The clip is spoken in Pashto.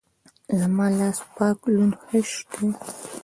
زما لاس پاک لوند خيشت ده.